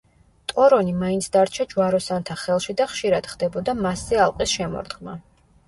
ტორონი მაინც დარჩა ჯვაროსანთა ხელში და ხშირად ხდებოდა მასზე ალყის შემორტყმა.